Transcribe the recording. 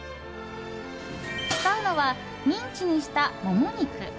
使うのはミンチにしたモモ肉。